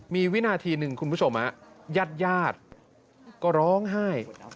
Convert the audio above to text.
มีวินาทีหนึ่งคุณผู้ชมญาติญาติก็ร้องไห้